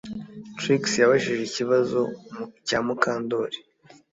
Trix yabajijwe ikibazo cya Mukandoli